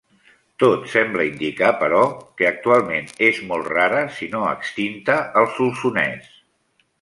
Tot sembla indicar, però, que actualment és molt rara, si no extinta al Solsonès.